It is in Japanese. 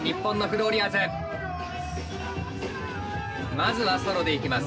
まずはソロで行きます。